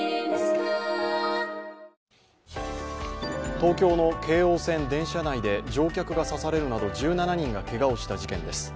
東京の京王線電車内で乗客が刺されるなど１７人がけがをした事件です。